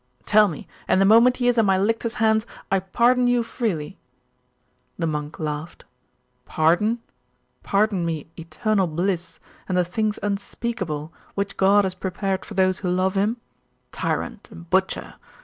'Tell me, and the moment he is in my lictors' hands I pardon you freely.' The monk laughed. 'Pardon? Pardon me eternal bliss, and the things unspeakable, which God has prepared for those who love Him? Tyrant and butcher!